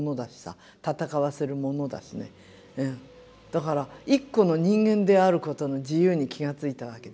だから一個の人間であることの自由に気が付いたわけでしょ。